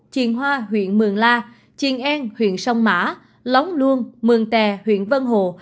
chiền hoa huyện mường la chiền en huyện sông mã lóng luông mường tè huyện vân hồ